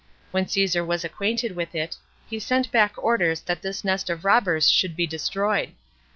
When Caesar was acquainted with it, he sent back orders that this nest of robbers should be destroyed.